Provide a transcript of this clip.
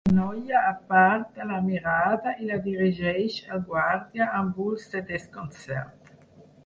La noia aparta la mirada i la dirigeix al guàrdia amb ulls de desconcert.